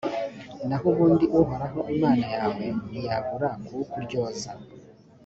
naho ubundi uhoraho imana yawe ntiyabura kuwukuryoza,